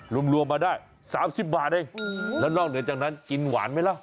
รวมมาได้๓๐บาทเองแล้วนอกเหนือจากนั้นกินหวานไหมล่ะ